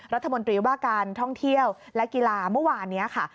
รัฐมนตรีว่าการท่องเที่ยวและกีฬาเมื่อวานนี้ค่ะ